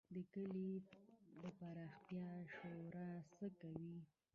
د کلي د پراختیا شورا څه کوي؟